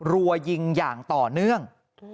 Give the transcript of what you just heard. รัวยิงอย่างต่อเนื่อง